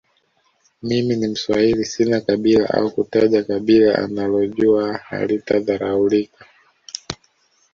mimi ni mswahili sina kabila au kutaja kabila analojua halitadharaulika